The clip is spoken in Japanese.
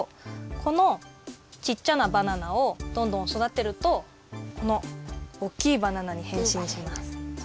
このちっちゃなバナナをどんどんそだてるとこのおっきいバナナにへんしんします。